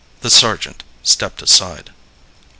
The sergeant stepped aside. II.